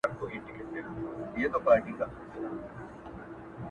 له ربابي سره شهباز ژړله!!